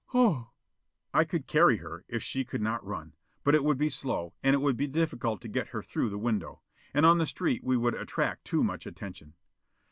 "Oh!" I could carry her, if she could not run. But it would be slow; and it would be difficult to get her through the window. And on the street we would attract too much attention.